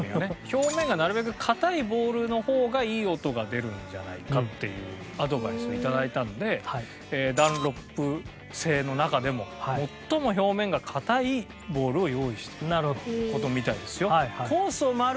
表面がなるべく硬いボールの方がいい音が出るんじゃないかっていうアドバイスをいただいたのでダンロップ製の中でも最も表面が硬いボールを用意した事みたいですよ。